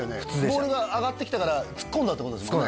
ボールが上がってきたから突っ込んだってことですもんね